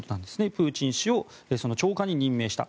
プーチン氏を長官に任命した。